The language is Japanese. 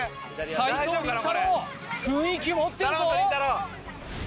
齋藤麟太郎雰囲気持ってるぞ！